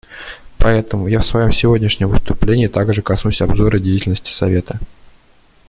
Поэтому я в своем сегодняшнем выступлении также коснусь обзора деятельности Совета.